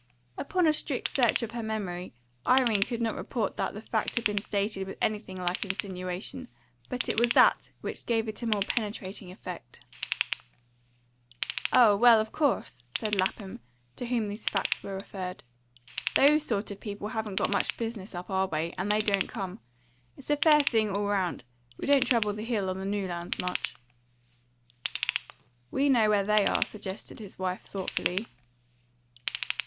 Upon a strict search of her memory, Irene could not report that the fact had been stated with anything like insinuation, but it was that which gave it a more penetrating effect. "Oh, well, of course," said Lapham, to whom these facts were referred. "Those sort of people haven't got much business up our way, and they don't come. It's a fair thing all round. We don't trouble the Hill or the New Land much." "We know where they are," suggested his wife thoughtfully.